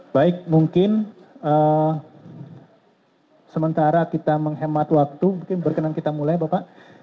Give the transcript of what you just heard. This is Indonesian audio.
baik mungkin sementara kita menghemat waktu mungkin berkenan kita mulai bapak